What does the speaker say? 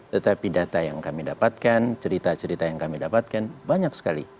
tetapi data yang kami dapatkan cerita cerita yang kami dapatkan banyak sekali